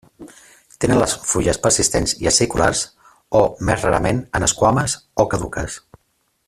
Tenen les fulles persistents i aciculars o, més rarament en esquames o caduques.